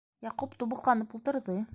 Яҡуп тубыҡланып ултырҙы.